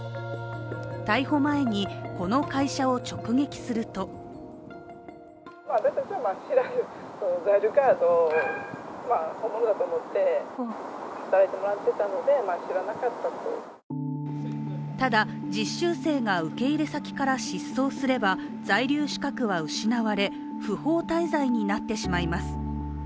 逮捕前に、この会社を直撃するとただ、実習生が受け入れ先から失踪すれば在留資格は失われ不法滞在になってしまいます。